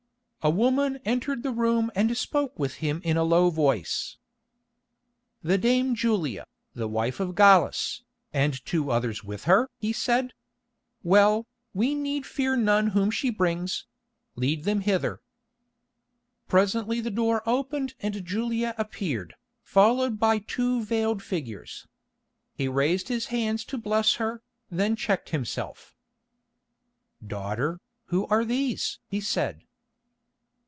A woman entered the room and spoke with him in a low voice. "The dame Julia, the wife of Gallus, and two others with her?" he said. "Well, we need fear none whom she brings; lead them hither." Presently the door opened and Julia appeared, followed by two veiled figures. He raised his hands to bless her, then checked himself. "Daughter, who are these?" he said.